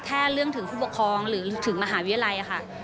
เรื่องถึงผู้ปกครองหรือถึงมหาวิทยาลัยค่ะ